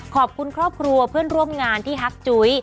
ขอบคุณครอบครัวเพื่อนร่วมงานที่ฮักจุ้ย